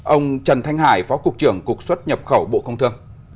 ông trần thanh hải phó cục trưởng cục xuất nhập khẩu bộ công thương